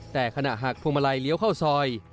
แต่ขณะหักพวงมาลัยเลี้ยวเข้าซอย